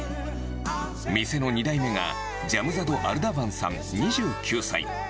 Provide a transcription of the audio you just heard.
店の２代目がジャムザド・アルダヴァンさん２９歳。